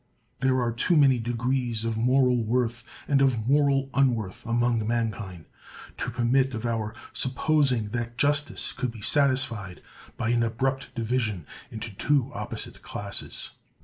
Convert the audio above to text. There are too many degrees of moral worth and of moral unworth among mankind, to permit of our supposing that justice could be satisfied by an abrupt division into two opposite classes.